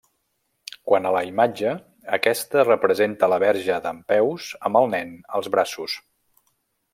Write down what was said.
Quant a la imatge, aquesta representa la Verge dempeus amb el Nen als braços.